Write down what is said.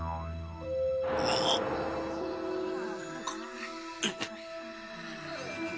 ああ。